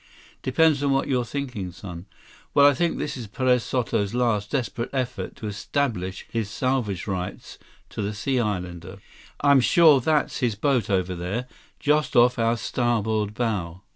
"Depends on what you're thinking, son." "Well, I think this is Perez Soto's last, desperate effort to establish his salvage rights to the Sea Islander. I'm sure that's his boat over there, just off our starboard bow.